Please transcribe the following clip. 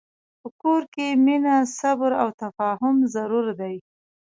په کور کې مینه، صبر، او تفاهم ضرور دي.